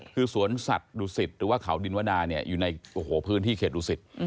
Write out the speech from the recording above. คือสวนสัตว์ดุสิตหรือว่าเขาดินวนาเนี่ยอยู่ในพื้นที่เขตดุสิต